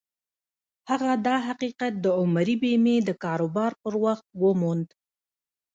هغه دا حقيقت د عمري بيمې د کاروبار پر وخت وموند.